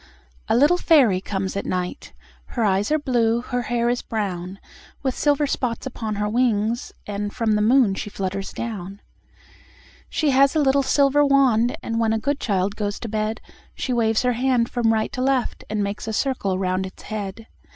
A little fairy comes at night, Her eyes are blue, her hair is brown, With silver spots upon her wings, And from the moon she flutters down. She has a little silver wand, And when a good child goes to bed She waves her wand from right to left, And makes a circle round its head.